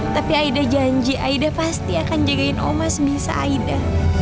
tapi aida janji aida pasti akan jagain omas bisa aida